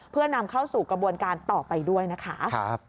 เพื่อนำเข้าสู่กระบวนการต่อไปด้วยนะคะ